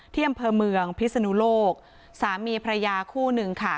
ที่อำเภอเมืองพิศนุโลกสามีพระยาคู่หนึ่งค่ะ